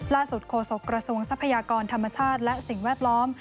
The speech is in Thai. โฆษกระทรวงทรัพยากรธรรมชาติและสิ่งแวดล้อม